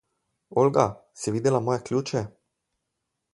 Olga, si videla moje ključe?